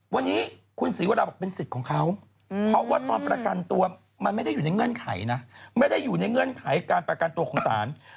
วันนี้คุณสีวราบอกเป็นสิทธิ์ของเขา